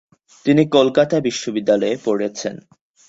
তিনি কলকাতা বিশ্ববিদ্যালয়ে পড়েছেন।